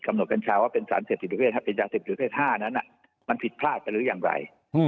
กำหนดกัญชาว่าเป็นสารเสพติดหรือเป็นยาเสพติดหรือเพศห้านั้นมันผิดพลาดไปหรือยังไง